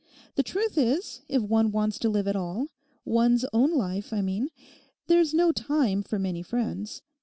'The truth is if one wants to live at all—one's own life, I mean—there's no time for many friends.